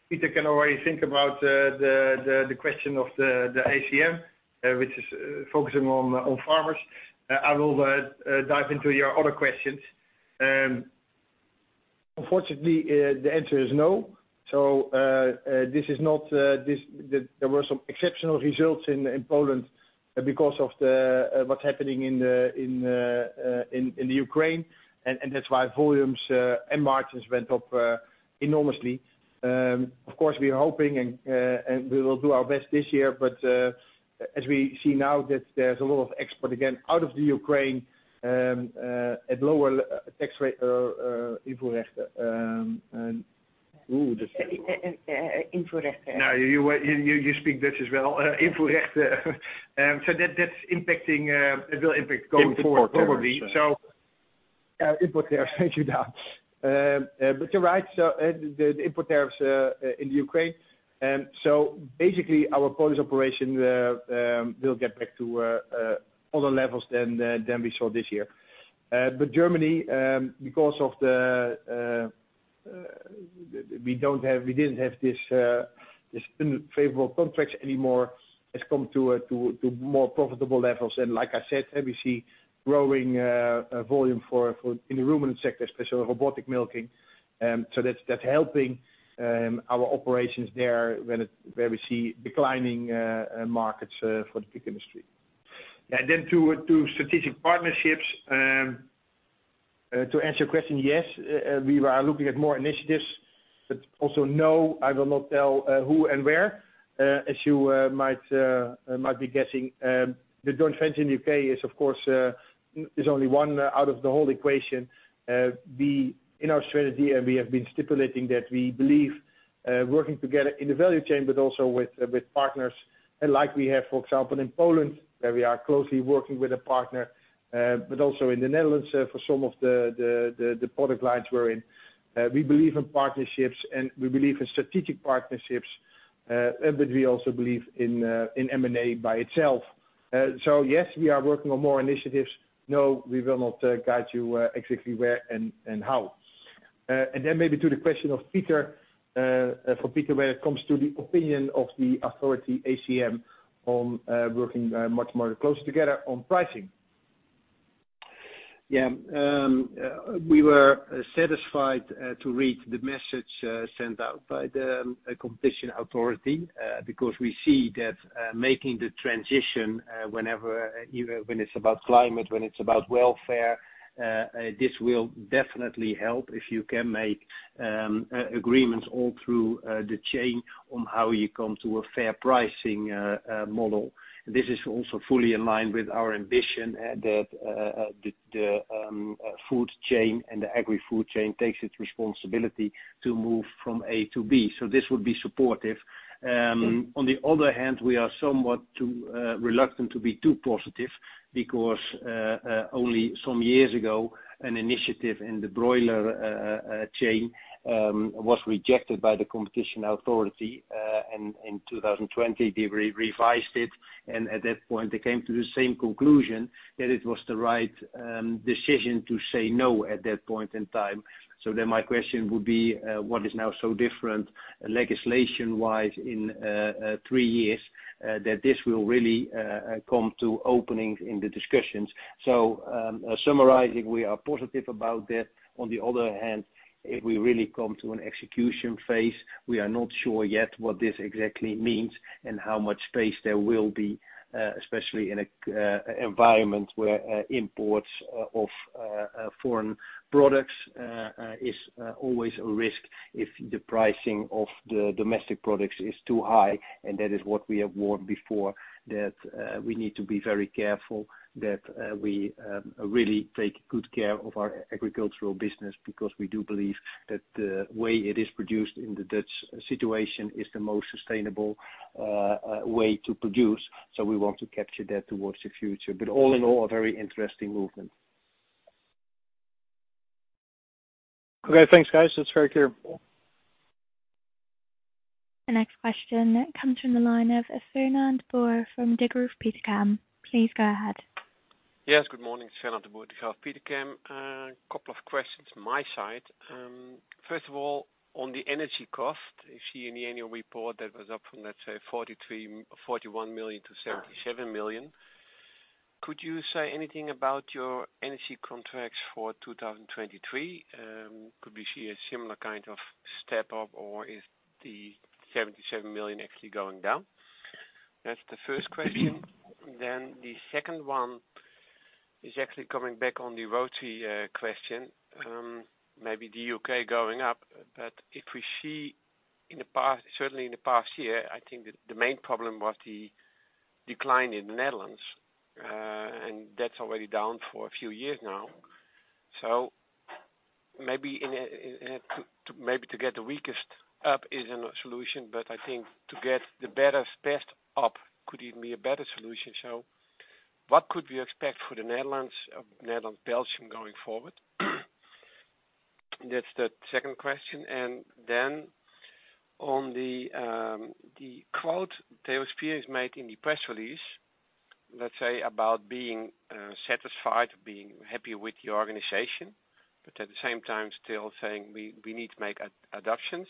Pieter can already think about the question of the ACM, which is focusing on farmers. I will dive into your other questions. Unfortunately, the answer is no. This is not, there were some exceptional results in Poland because of what's happening in the Ukraine, and that's why volumes and margins went up enormously. Of course, we are hoping and we will do our best this year. As we see now that there's a lot of export, again, out of the Ukraine, at lower tax rate, import Import terms. Import tariffs. Thank you, Daan. You're right. The import tariffs in the Ukraine. Basically our Polish operation will get back to other levels than we saw this year. Germany, because of the we didn't have this unfavorable contracts anymore, has come to more profitable levels. Like I said, we see growing volume for in the ruminant sector, especially robotic milking. That's helping our operations there where it's, where we see declining markets for the pig industry. To strategic partnerships, to answer your question, yes, we are looking at more initiatives. Also, no, I will not tell who and where. As you might be guessing, the joint venture in the U.K. is, of course, only one out of the whole equation. We, in our strategy, and we have been stipulating that we believe working together in the value chain, but also with partners, like we have, for example, in Poland, where we are closely working with a partner, but also in the Netherlands, for some of the product lines we're in. We believe in partnerships and we believe in strategic partnerships, but we also believe in M&A by itself. Yes, we are working on more initiatives. No, we will not guide you exactly where and how. Then maybe to the question of Pieter, for Pieter, when it comes to the opinion of the authority ACM on working much more closely together on pricing. We were satisfied to read the message sent out by the competition authority because we see that making the transition whenever, even when it's about climate, when it's about welfare, this will definitely help if you can make agreements all through the chain on how you come to a fair pricing model. This is also fully in line with our ambition that the food chain and the agri-food chain takes its responsibility to move from A to B. This would be supportive. On the other hand, we are somewhat, too, reluctant to be too positive because only some years ago, an initiative in the broiler chain was rejected by the competition authority. In 2020, they re-revised it, and at that point, they came to the same conclusion that it was the right decision to say no at that point in time. My question would be, what is now so different legislation-wise in three years that this will really come to openings in the discussions? Summarizing, we are positive about that. On the other hand, if we really come to an execution phase. We are not sure yet what this exactly means and how much space there will be, especially in a environment where imports of foreign products is always a risk if the pricing of the domestic products is too high, and that is what we have warned before that we need to be very careful that we really take good care of our agricultural business because we do believe that the way it is produced in the Dutch situation is the most sustainable way to produce. We want to capture that towards the future. All in all, a very interesting movement. Okay. Thanks, guys. That's very clear. The next question comes from the line of Fernand de Boer from Degroof Petercam. Please go ahead. Yes, good morning. Fernand de Boer, Degroof Petercam. A couple of questions my side. First of all, on the energy cost, you see in the annual report that was up from, let's say 41 million to 77 million. Could you say anything about your energy contracts for 2023? Could we see a similar kind of step up or is the 77 million actually going down? That's the first question. The second one is actually coming back on the ROACE question, maybe the U.K. going up. If we see certainly in the past year, I think the main problem was the decline in the Netherlands, that's already down for a few years now. Maybe to get the weakest up isn't a solution, but I think to get the better, best up could even be a better solution. What could we expect for the Netherlands of Netherlands, Belgium going forward? That's the second question. On the quote Theo Spierings has made in the press release, let's say, about being satisfied, being happy with the organization, but at the same time still saying we need to make adaptations,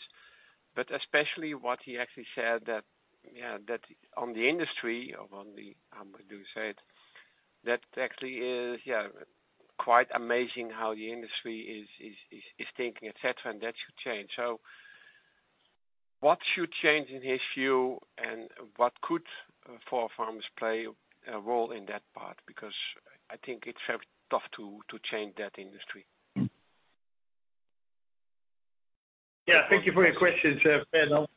but especially what he actually said that, you know, that on the industry or on the how do you say it? That actually is, yeah, quite amazing how the industry is thinking, et cetera, and that should change. What should change in his view and what could ForFarmers play a role in that part? I think it's very tough to change that industry. Yeah. Thank you for your questions, Fernand.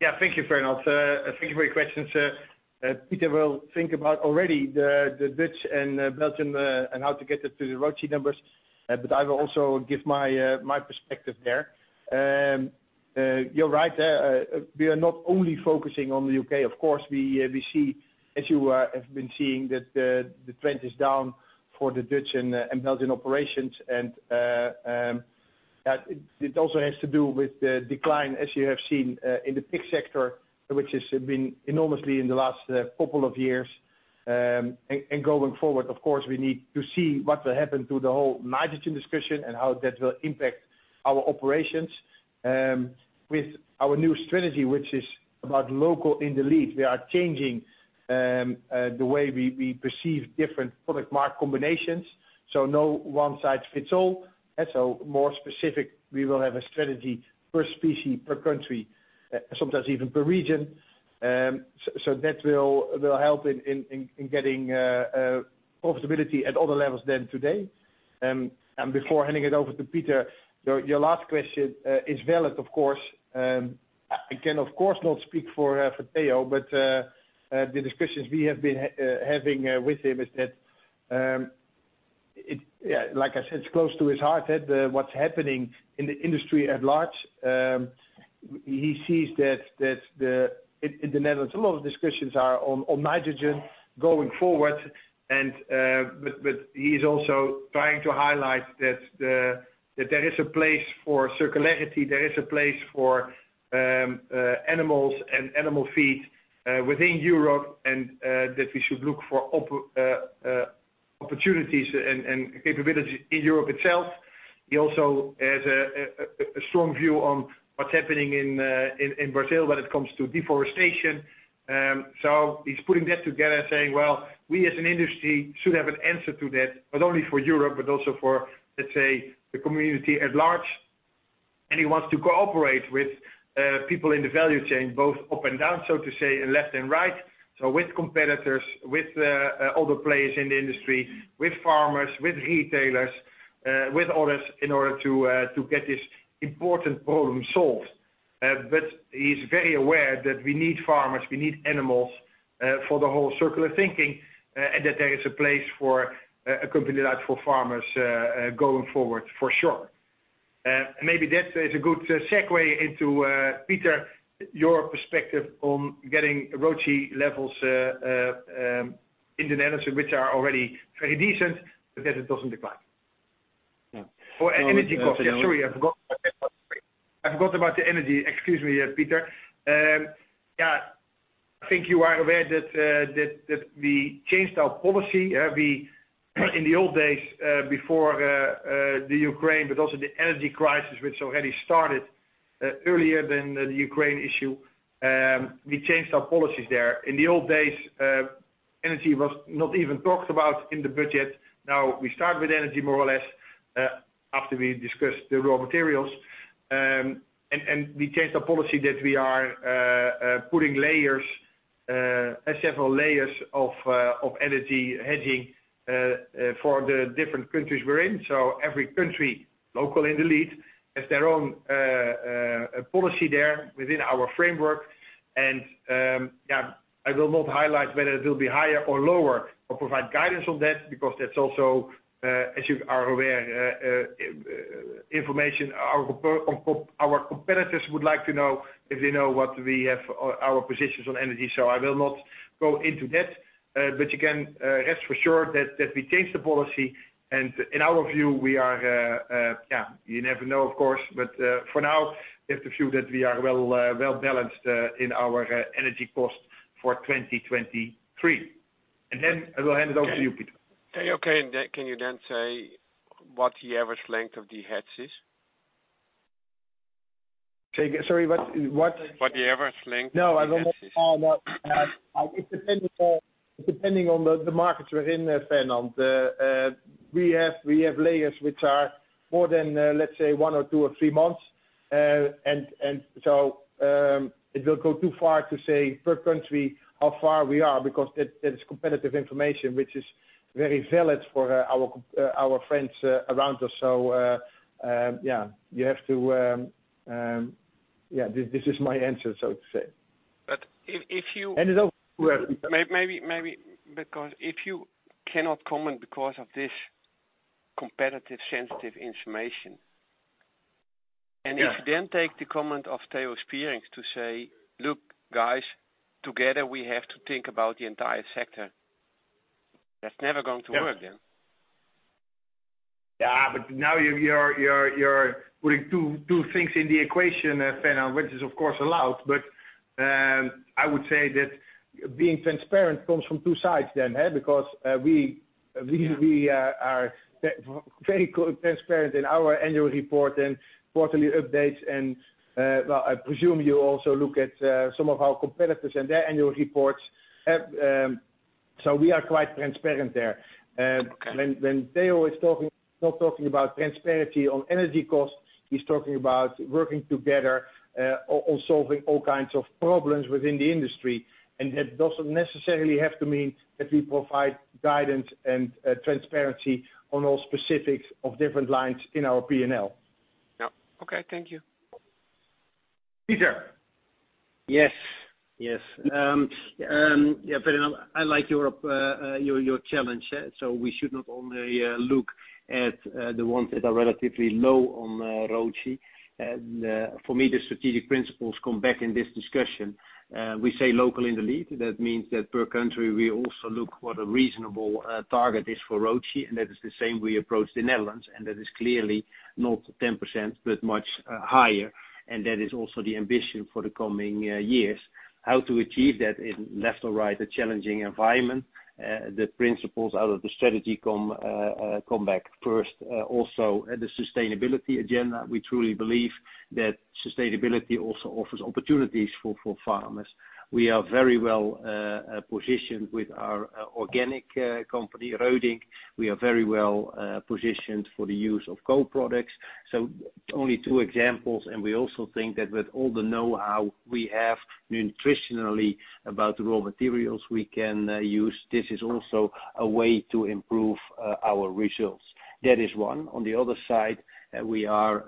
Yeah, thank you, Fernand. Thank you for your questions. Pieter will think about already the Dutch and Belgian, and how to get it to the ROACE numbers. But I will also give my perspective there. You're right. We are not only focusing on the U.K.. Of course, we see, as you have been seeing that the trend is down for the Dutch and Belgian operations. It also has to do with the decline as you have seen, in the pig sector, which has been enormously in the last couple of years. Going forward, of course, we need to see what will happen to the whole nitrogen discussion and how that will impact our operations. With our new strategy, which is about local in the lead, we are changing the way we perceive different product market combinations. No one size fits all. More specific, we will have a strategy per specie, per country, sometimes even per region. That will help in getting profitability at all the levels than today. Before handing it over to Pieter, your last question is valid of course. I can of course not speak for Theo, the discussions we have been having with him is that, yeah, like I said, it's close to his heart that what's happening in the industry at large. He sees that in the Netherlands, a lot of discussions are on nitrogen going forward. He's also trying to highlight that there is a place for circularity, there is a place for animals and animal feed within Europe and that we should look for opportunities and capability in Europe itself. He also has a strong view on what's happening in Brazil when it comes to deforestation. He's putting that together saying, "Well, we as an industry should have an answer to that, not only for Europe, but also for, let's say, the community at large." He wants to cooperate with people in the value chain, both up and down, so to say, and left and right. With competitors, with other players in the industry, with farmers, with retailers, with others in order to get this important problem solved. He's very aware that we need farmers, we need animals for the whole circular thinking, and that there is a place for a company like ForFarmers going forward for sure. Maybe that is a good segue into Pieter, your perspective on getting ROACE levels in the Netherlands, which are already very decent, but that it doesn't decline. Yeah. For energy costs. Sorry, I forgot about that part. I forgot about the energy. Excuse me, Pieter. I think you are aware that we changed our policy. We in the old days, before the Ukraine, but also the energy crisis which already started earlier than the Ukraine issue, we changed our policies there. In the old days, energy was not even talked about in the budget. Now we start with energy more or less, after we discussed the raw materials. We changed our policy that we are putting layers, several layers of energy hedging for the different countries we're in. Every country local in the lead has their own policy there within our framework. Yeah, I will not highlight whether it will be higher or lower or provide guidance on that because that's also, as you are aware, information our competitors would like to know if they know what we have our positions on energy. I will not go into that, but you can rest for sure that we change the policy and in our view, we are, yeah, you never know, of course. For now, we have to view that we are well, well balanced in our energy cost for 2023. I will hand it over to you, Pieter. Okay. Can you then say what the average length of the hedge is? Sorry, what? What the average length of the hedge is. No, I will not. It's depending on the markets we're in, Fernand. We have layers which are more than, let's say, one or two or three months. It will go too far to say per country how far we are, because that is competitive information which is very valid for our friends around us. Yeah, you have to, yeah, this is my answer, so to say. if. it over- Maybe because if you cannot comment because of this competitive sensitive information. Yeah. If you then take the comment of Theo Spierings to say, "Look, guys, together we have to think about the entire sector," that's never going to work then. Yeah. Now you're putting two things in the equation, Fernand, which is of course allowed, but I would say that being transparent comes from two sides then, huh? We are very transparent in our annual report and quarterly updates and, well, I presume you also look at some of our competitors and their annual reports. We are quite transparent there. When Theo is talking, he's not talking about transparency on energy costs, he's talking about working together on solving all kinds of problems within the industry. That doesn't necessarily have to mean that we provide guidance and transparency on all specifics of different lines in our P&L. Yeah. Okay. Thank you. Pieter. Yes, yes. Yeah, Fernand, I like your challenge. We should not only look at the ones that are relatively low on ROACE. For me, the strategic principles come back in this discussion. We say local in the lead. That means that per country, we also look what a reasonable target is for ROACE. That is the same way we approach the Netherlands, and that is clearly not 10%, but much higher. That is also the ambition for the coming years. How to achieve that in left or right, a challenging environment. The principles out of the strategy come back first. Also the sustainability agenda. We truly believe that sustainability also offers opportunities for ForFarmers. We are very well positioned with our organic company, Reudink. We are very well positioned for the use of co-products. Only two examples, and we also think that with all the know-how we have nutritionally about raw materials we can use, this is also a way to improve our results. That is one. On the other side, we are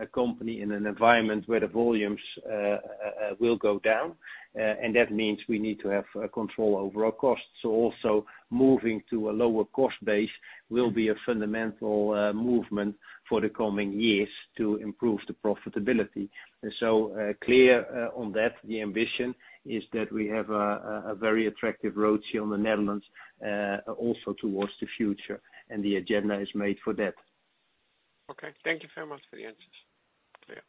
a company in an environment where the volumes will go down, and that means we need to have control over our costs. Also moving to a lower cost base will be a fundamental movement for the coming years to improve the profitability. Clear on that, the ambition is that we have a very attractive ROACE on the Netherlands also towards the future, and the agenda is made for that. Okay. Thank you very much for the answers. Clear.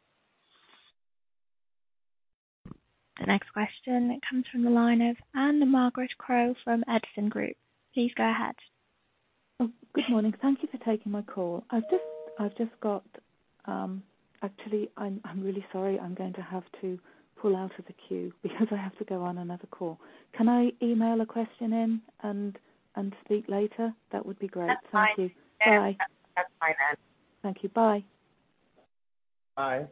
The next question comes from the line of Anne-Maree Crow from Edison Group. Please go ahead. Good morning. Thank you for taking my call. I've just got. Actually, I'm really sorry. I'm going to have to pull out of the queue because I have to go on another call. Can I email a question in and speak later? That would be great. Thank you. That's fine. Bye. That's fine then. Thank you. Bye. Bye.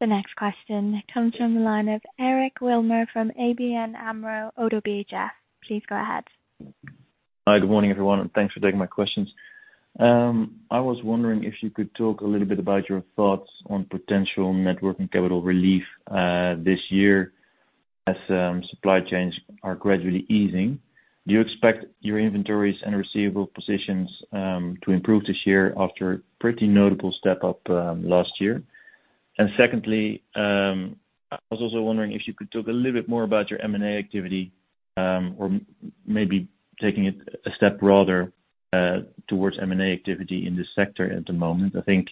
The next question comes from the line of Eric Willegers from ABN AMRO-ODDO BHF. Please go ahead. Hi. Good morning, everyone, and thanks for taking my questions. I was wondering if you could talk a little bit about your thoughts on potential net working capital relief this year as supply chains are gradually easing. Do you expect your inventories and receivable positions to improve this year after a pretty notable step up last year? Secondly, I was also wondering if you could talk a little bit more about your M&A activity, or maybe taking it a step broader towards M&A activity in this sector at the moment. I think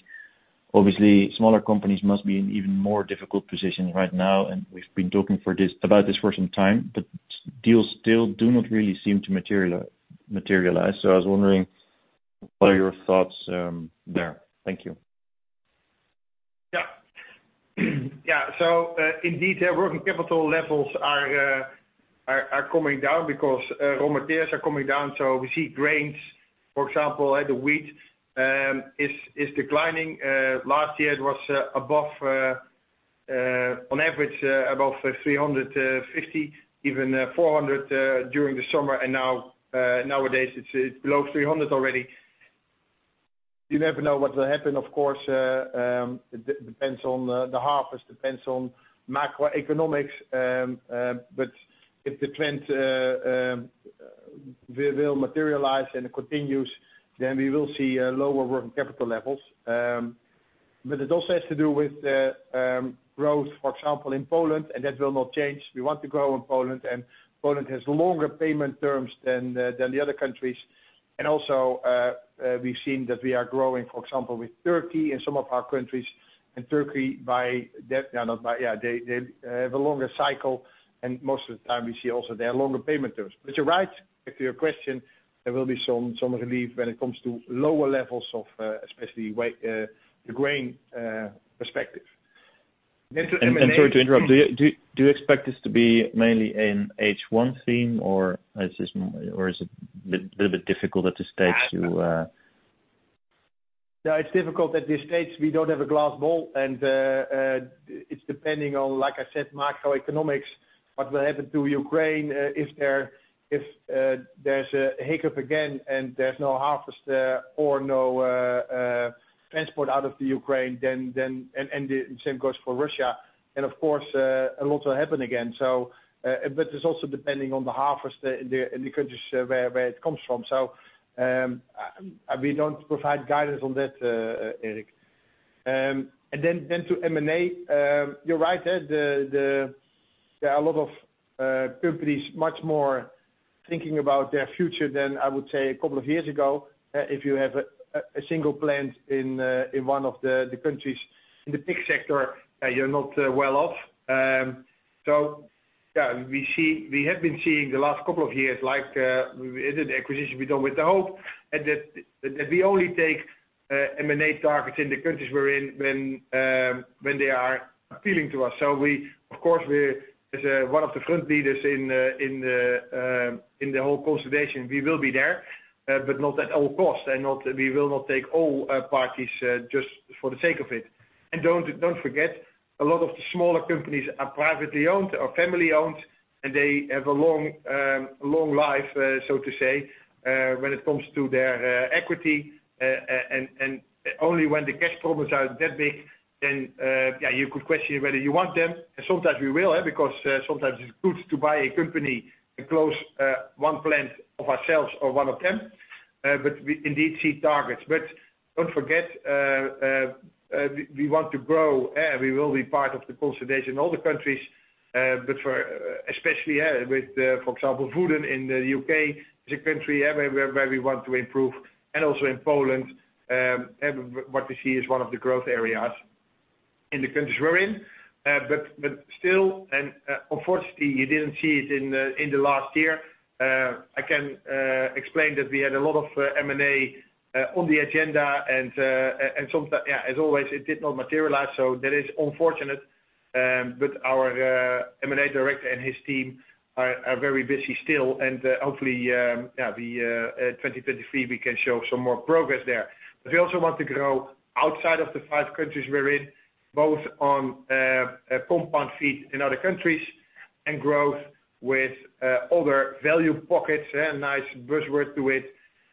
obviously smaller companies must be in even more difficult positions right now, and we've been talking about this for some time, but deals still do not really seem to materialize. I was wondering, what are your thoughts there? Thank you. Indeed, working capital levels are coming down because raw materials are coming down. We see grains, for example, like the wheat, is declining. Last year it was above, on average, above 350, even 400 during the summer. Now, nowadays it's below 300 already. You never know what will happen, of course. It depends on the harvest, depends on macroeconomics. If the trend will materialize and continues, then we will see lower working capital levels. It also has to do with the growth, for example, in Poland, that will not change. We want to grow in Poland has longer payment terms than the other countries. Also, we've seen that we are growing, for example, with Turkey and some of our countries, and Turkey by def-- not by... Yeah. They, they have a longer cycle, and most of the time we see also there are longer payment terms. You're right. Back to your question, there will be some relief when it comes to lower levels of, especially wei- the grain perspective. To M&A- Sorry to interrupt. Do you expect this to be mainly in H1 theme, or is it bit, little bit difficult at this stage to? Yeah, it's difficult at this stage. We don't have a glass ball. It's depending on, like I said, macroeconomics. What will happen to Ukraine, if there's a hiccup again and there's no harvest, or no transport out of the Ukraine, then. The same goes for Russia. Of course, a lot will happen again. It's also depending on the harvest in the countries where it comes from. We don't provide guidance on that, Eric. Then to M&A, you're right that the, There are a lot of companies much more thinking about their future than, I would say, a couple of years ago. If you have a single plant in one of the countries in the pig sector, you're not well off. Yeah, we have been seeing the last couple of years like the acquisition we've done with Hope, and that we only take M&A targets in the countries we're in when they are appealing to us. We, of course we, as one of the front leaders in the whole consolidation, we will be there, but not at all costs, we will not take all parties just for the sake of it. Don't forget, a lot of the smaller companies are privately owned or family-owned, and they have a long, long life, so to say, when it comes to their equity. Only when the cash problems are that big, then you could question whether you want them, and sometimes we will, because sometimes it's good to buy a company and close one plant of ourselves or one of them. We indeed see targets. Don't forget, we want to grow, and we will be part of the consolidation in all the countries. For, especially, with, for example, Voden in the U.K. is a country where we want to improve, and also in Poland. What we see is one of the growth areas in the countries we're in. But still, and unfortunately, you didn't see it in in the last year, I can explain that we had a lot of M&A on the agenda and sometime, yeah, as always, it did not materialize, so that is unfortunate. Our M&A director and his team are very busy still, and hopefully, yeah, the 2023, we can show some more progress there. We also want to grow outside of the five countries we're in, both on compound feed in other countries and growth with other value pockets. Yeah, nice buzzword to it.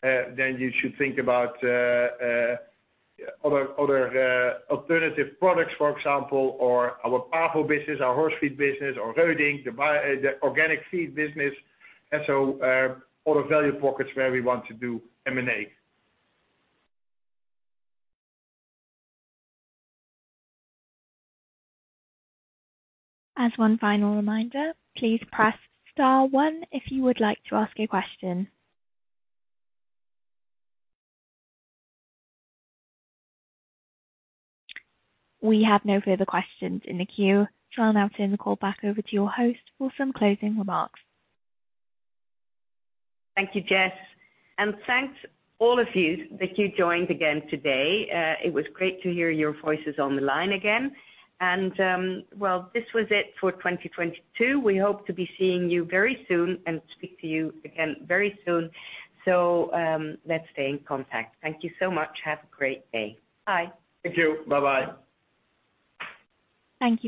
You should think about other alternative products, for example, or our Pavo business, our horse feed business, or Reudink, the organic feed business. All the value pockets where we want to do M&A. As one final reminder, please press star one if you would like to ask a question. We have no further questions in the queue. I'll now turn the call back over to your host for some closing remarks. Thank you, Jess. Thanks all of you that you joined again today. It was great to hear your voices on the line again. Well, this was it for 2022. We hope to be seeing you very soon and speak to you again very soon. Let's stay in contact. Thank you so much. Have a great day. Bye. Thank you. Bye-bye. Thank you.